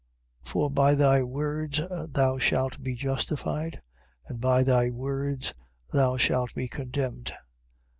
For by thy words thou shalt be justified, and by thy words thou shalt be condemned.